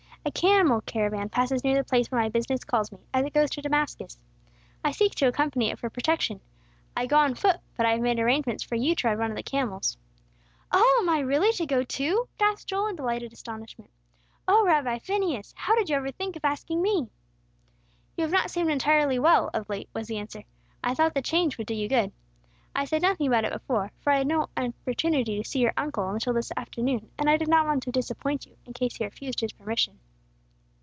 A camel caravan passes near the place where my business calls me, as it goes to Damascus. I seek to accompany it for protection. I go on foot, but I have made arrangements for you to ride one of the camels." "Oh, am I really to go, too?" gasped Joel, in delighted astonishment. "Oh, Rabbi Phineas! How did you ever think of asking me?" "You have not seemed entirely well, of late," was the answer. "I thought the change would do you good. I said nothing about it before, for I had no opportunity to see your uncle until this afternoon; and I did not want to disappoint you, in case he refused his permission."